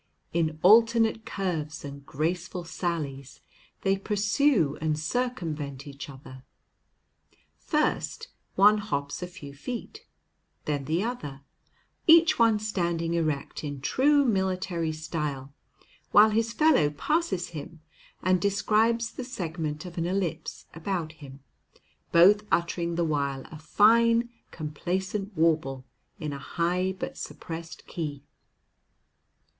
In alternate curves and graceful sallies, they pursue and circumvent each other. First one hops a few feet, then the other, each one standing erect in true military style while his fellow passes him and describes the segment of an ellipse about him, both uttering the while a fine complacent warble in a high but suppressed key.